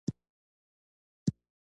فرانسویان ولیدل.